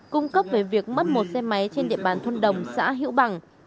cung cấp về việc mất một xe máy trên địa bàn thôn đồng xã hiễu bằng